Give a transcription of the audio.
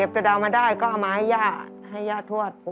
ไปเดามาได้ก็เอามาให้ย่าให้ย่าทวด